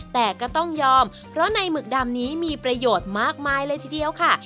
แต่ก็ต้องยอมเพราะในหมึกดำนี้มีประโยชน์มากมายเลยทีเดียวค่ะ